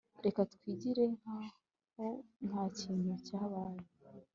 reka twigire nkaho ntakintu cyabaye